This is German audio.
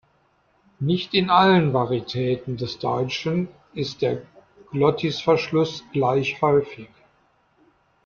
Nicht in allen Varitäten des Deutschen ist der Glottisverschluss gleich häufig.